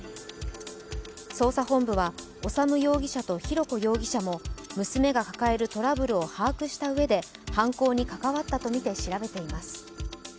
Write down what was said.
捜査本部は、修容疑者と浩子容疑者も娘が抱えるトラブルを把握したうえで犯行に関わったとみて調べています。